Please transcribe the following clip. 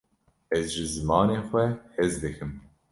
ez ji zimanê xwe hez dikim